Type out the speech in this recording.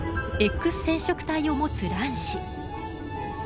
Ｘ染色体を持つ卵子。